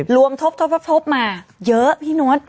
รวมทบมาเยอะพี่นวด